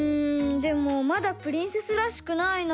でもまだプリンセスらしくないな。